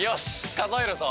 数えるぞ。